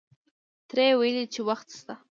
تره یې ویلې چې وخت شته.